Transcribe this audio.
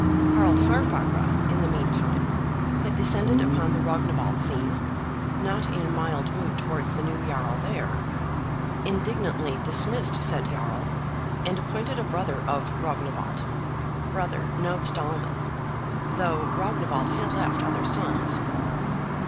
Harald Haarfagr, in the mean time, had descended upon the Rognwald scene, not in mild mood towards the new jarl there; indignantly dismissed said jarl, and appointed a brother of Rognwald (brother, notes Dahlmann), though Rognwald had left other sons.